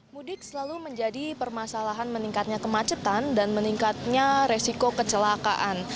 mudik selalu menjadi permasalahan meningkatnya kemacetan dan meningkatnya resiko kecelakaan